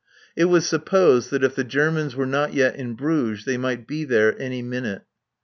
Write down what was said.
It was supposed that if the Germans were not yet in Bruges they might be there any minute.